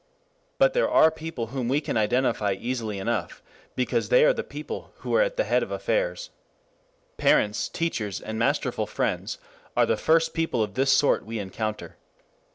But there are people whom we can identify easily enough because they are the people who are at the head of affairs. Parents, teachers, and masterful friends are the first people of this sort we encounter.